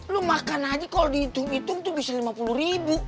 lu makan aja kalau dihitung hitung tuh bisa lima puluh ribu